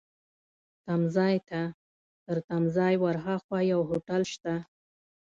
تمځای ته، تر تمځای ورهاخوا یو هوټل شته.